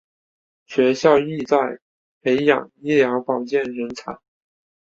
学校旨在培养医疗保健人才。